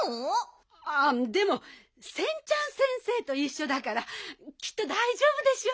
ああでも仙ちゃん先生といっしょだからきっとだいじょうぶでしょ。